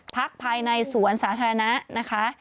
พักภายในสวนสาธารณะนะคะ